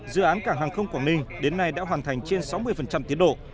dự án cảng hàng không quảng ninh đến nay đã hoàn thành trên sáu mươi tiến độ